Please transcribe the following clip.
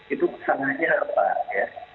itu kesalahannya apa ya